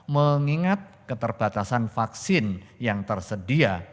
mengingat keterbatasan vaksin yang tersedia